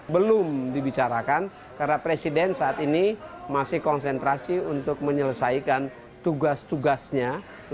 belum dibicarakan karena presiden saat ini masih konsentrasi untuk menyelesaikan tugas tugasnya